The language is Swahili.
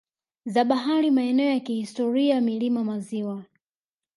za bahari maeneo ya kihistoria milima maziwa